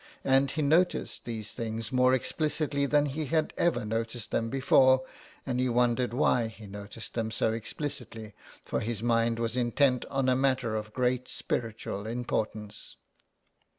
And he noticed these things more explicitly than he had ever noticed them before, and he wondered why he noticed them so explicitly, for his mind was intent on a matter of great spiritual importance.